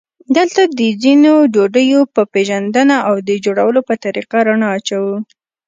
دلته د ځینو ډوډیو په پېژندنه او د جوړولو په طریقه رڼا اچوو.